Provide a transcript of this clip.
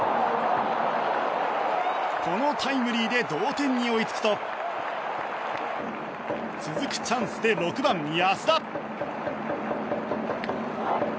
このタイムリーで同点に追いつくと続くチャンスで６番、安田。